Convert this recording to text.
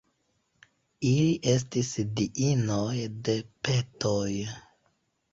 Ili estis diinoj de petoj.